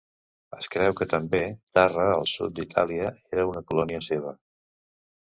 Es creu que també Tarra al sud d'Itàlia era una colònia seva.